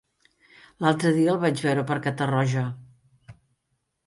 L'altre dia el vaig veure per Catarroja.